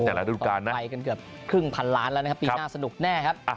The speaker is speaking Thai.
ระดูการนะไปกันเกือบครึ่งพันล้านแล้วนะครับปีหน้าสนุกแน่ครับ